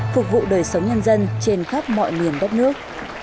phục vụ đời sống nhân dân trên khắp mọi miền đất nước